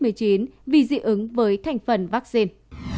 ứng với thành phần vaccine